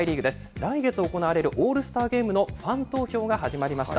来月行われるオールスターゲームのファン投票が始まりました。